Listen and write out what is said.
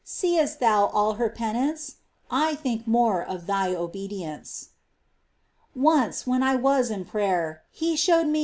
Seest thou all her penance ? I think more of thy obedience." 13. Once, when I was in prayer, He showed me Vision of a ,.'.,„.